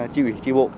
chi quỷ chi bộ